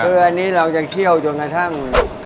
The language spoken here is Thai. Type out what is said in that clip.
คืออันนี้เราจะเคี่ยวจนกระทั่ง